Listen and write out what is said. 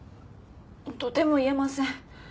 とても言えません。